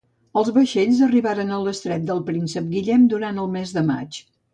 Els vaixells arribaren a l'estret del Príncep Guillem durant el mes de maig.